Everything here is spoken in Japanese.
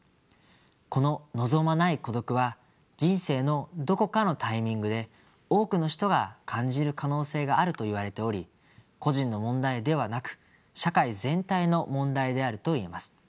この「望まない孤独」は人生のどこかのタイミングで多くの人が感じる可能性があるといわれており個人の問題ではなく社会全体の問題であると言えます。